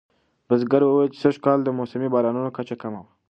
بزګر وویل چې سږکال د موسمي بارانونو کچه کمه وه.